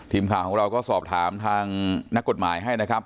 ทีมข่าวของเราก็สอบถามทางนักกฎหมายให้นะครับ